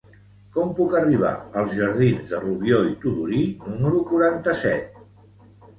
Com puc arribar als jardins de Rubió i Tudurí número quaranta-set?